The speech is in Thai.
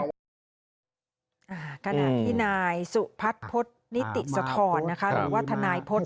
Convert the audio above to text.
กระหน่ายที่นายสุพัฒน์พจนิติสธรณ์หรือวัฒนายพจน์